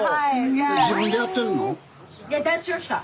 自分でやってるの？